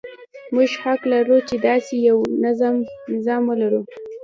موږ حق لرو چې داسې یو نظام ولرو.